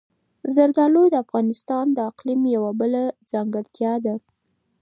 زردالو د افغانستان د اقلیم یوه بله ځانګړتیا ده.